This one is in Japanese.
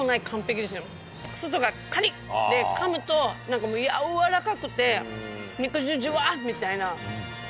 外がカリッでかむとなんかやわらかくて肉汁ジュワみたいな。